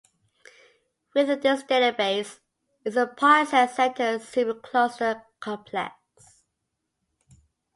Within this database is the Pisces-Cetus Supercluster Complex.